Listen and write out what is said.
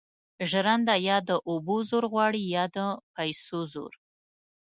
ژرنده یا د اوبو زور غواړي او یا د پیسو زور.